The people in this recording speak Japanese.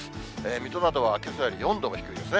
水戸などはけさより４度も低いですね。